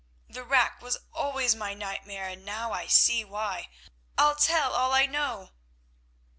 "The rack was always my nightmare, and now I see why. I'll tell all I know."